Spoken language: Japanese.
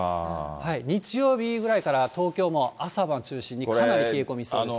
日曜日ぐらいから東京も朝晩中心に、かなり冷え込みそうです。